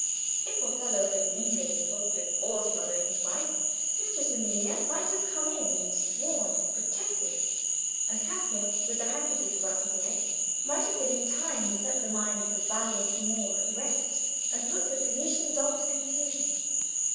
If Othello had but lingered a little before smothering his wife, Mistress Emilia might have come in and sworn and protested; and Cassio, with the handkerchief about his leg, might have been in time to set the mind of the valiant Moor at rest, and put the Venetian dog to confusion.